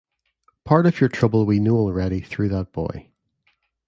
Part of your trouble we know already through that boy.